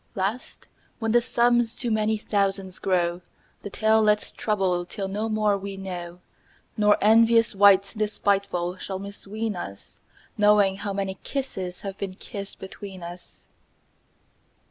Last when the sums to many thousands grow, 10 The tale let's trouble till no more we know, Nor envious wight despiteful shall misween us Knowing how many kisses have been kissed between us.